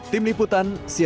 tim liputan cnn indonesia